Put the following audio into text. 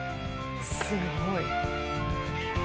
すごい。